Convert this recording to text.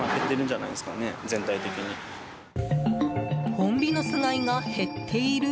ホンビノス貝が減っている？